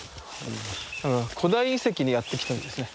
古代遺跡にやって来たみたいですね。